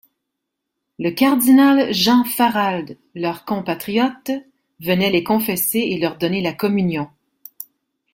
Le cardinal Jean Farald, leur compatriote, venait les confesser et leur donner la communion.